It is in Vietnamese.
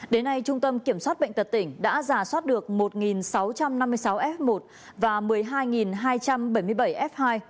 đến nay trung tâm kiểm soát bệnh tật tỉnh đã giả soát được một sáu trăm năm mươi sáu f một và một mươi hai hai trăm bảy mươi bảy f hai